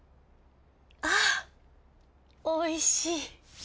あおいしい。